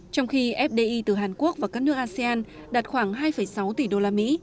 trong khi fdi từ hàn quốc và các nước asean đạt khoảng hai sáu tỷ đô la mỹ